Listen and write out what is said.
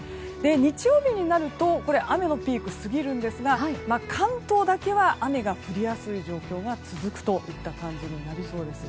日曜日になると雨のピークは過ぎるんですが関東だけは雨が降りやすい状況が続くといった感じになりそうです。